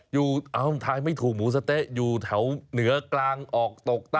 อยู่เอาไทยไม่ถูกหมูสะเต๊ะอยู่แถวเหนือกลางออกตกใต้